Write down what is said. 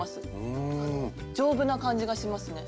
丈夫な感じがしますね。